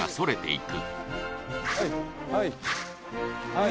はい